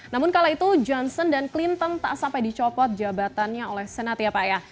namun kala itu johnson dan clinton tak sampai dicopot jabatannya oleh senat ya pak ya